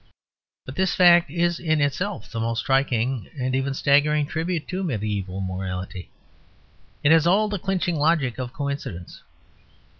But this fact is itself the most striking and even staggering tribute to mediæval morality. It has all the clinching logic of coincidence.